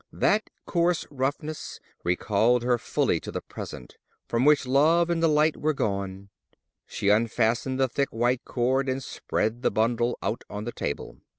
That coarse roughness recalled her fully to the present, from which love and delight were gone. She unfastened the thick white cord and spread the bundle out on the table.